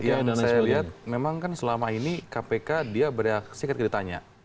yang saya lihat memang kan selama ini kpk dia bereaksi ketika ditanya